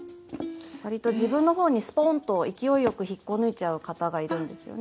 割と自分のほうにスポーンと勢いよく引っこ抜いちゃう方がいるんですよね。